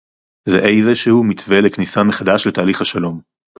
זה איזשהו מתווה לכניסה מחדש לתהליך שלום